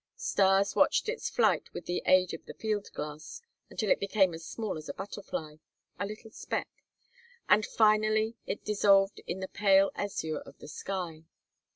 Stas watched its flight with the aid of the field glass until it became as small as a butterfly, a little speck, and until finally it dissolved in the pale azure of the sky.